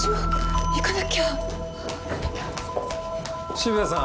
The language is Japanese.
渋谷さん。